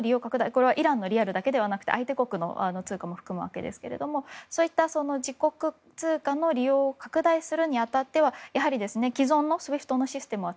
これはイランのリアルだけではなく相手国の通貨も含みますがそういった自国通貨の利用を拡大するに当たってはやはり、既存のＳＷＩＦＴのシステムは